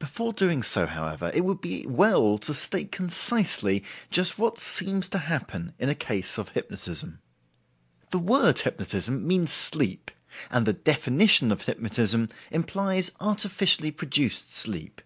Before doing so, however, it would be well to state concisely just what seems to happen in a case of hypnotism. The word hypnotism means sleep, and the definition of hypnotism implies artificially produced sleep.